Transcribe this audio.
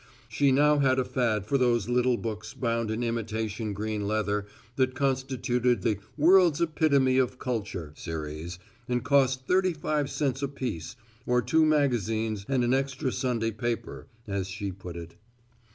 She now had a fad for those little books bound in imitation green leather that constituted the World's Epitome of Culture series and cost thirty five cents apiece, or two magazines and an extra Sunday paper, as she put it.